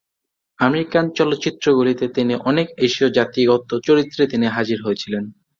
American চলচ্চিত্রগুলিতে তিনি অনেক এশীয় জাতিগত চরিত্রে তিনি হাজির হয়েছিলেন।